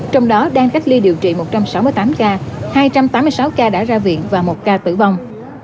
trong đó đang cách ly điều trị một trăm sáu mươi tám ca hai trăm tám mươi sáu ca đã ra viện và một ca tử vong